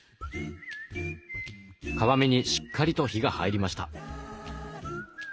皮目にしっかりと火が入りました。